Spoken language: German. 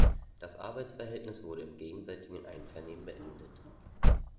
Das Arbeitsverhältnis wurde im gegenseitigen Einvernehmen beendet.